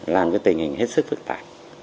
làm cho tình hình hết sức phức tạp